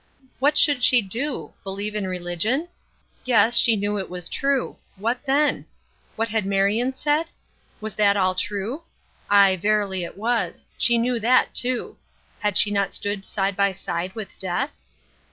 What should she do? Believe in religion? Yes. She knew it was true. What then? What had Marion said? Was that all true? Aye, verily it was; she knew that, too. Had she not stood side by side with death?